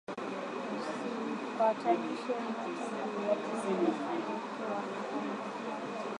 Usifatanishe mutu juya kile eko nafanya aujuwi kwenyewe alianzia